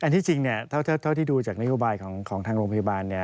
ที่จริงเท่าที่ดูจากนโยบายของทางโรงพยาบาล